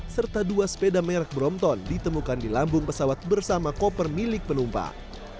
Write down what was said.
serta dua sepeda merek brompton ditemukan di lambung pesawat bersama koper milik penumpang